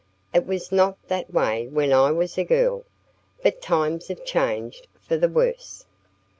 "It was not that way when I was a girl. But times have changed for the worse."